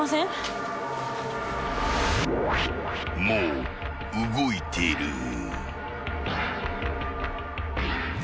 ［もう動いてる］